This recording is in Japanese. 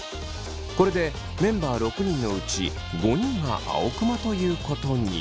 これでメンバー６人のうち５人が青クマということに。